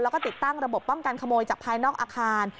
แล้วก็ติดตั้งระบบป้องกันขโมยจากภายนอกอาคาร